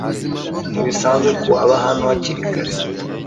Ntibisanzwe ko aba hano hakiri kare.